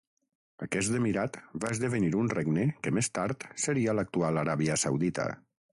Aquest emirat va esdevenir un regne que més tard seria l'actual Aràbia Saudita.